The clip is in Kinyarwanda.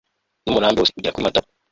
n'umurambi wose ugera kuri madaba